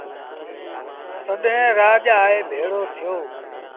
تڏهيݩ رآڄ آئي ڀيڙو ٿيو۔